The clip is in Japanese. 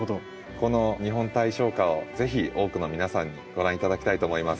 この日本大賞花を是非多くの皆さんにご覧頂きたいと思います。